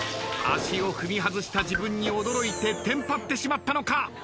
足を踏み外した自分に驚いてテンパってしまったのか？